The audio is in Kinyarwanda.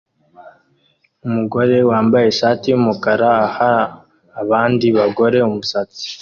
Umugore wambaye ishati yumukara aha abandi bagore umusatsi